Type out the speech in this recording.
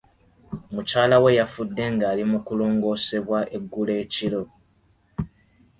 Mukyala we yafudde nga ali mu kulongoosebwa eggulo ekiro.